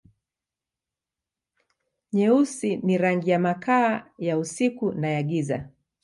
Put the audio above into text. Nyeusi ni rangi na makaa, ya usiku na ya giza.